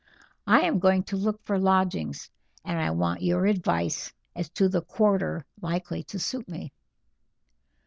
I am going to look for lodgings, and I want your advice as to the quarter likely to suit me."